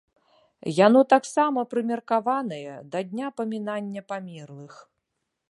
Яно таксама прымеркаванае да дня памінання памерлых.